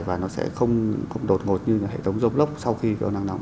và nó sẽ không đột ngột như hệ thống rông lốc sau khi kéo nắng nóng